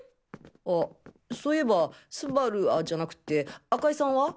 あっそいえば昴じゃなくて赤井さんは？